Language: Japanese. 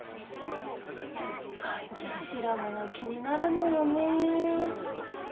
最近、白髪が気になるのよね。